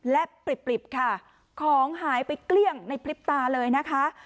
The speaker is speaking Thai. และปริบค่ะของหายไปเกลี้ยงในพริบตาเลยนะคะ